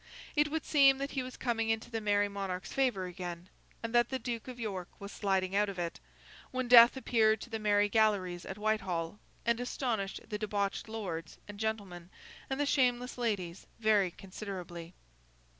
It would seem that he was coming into the Merry Monarch's favour again, and that the Duke of York was sliding out of it, when Death appeared to the merry galleries at Whitehall, and astonished the debauched lords and gentlemen, and the shameless ladies, very considerably.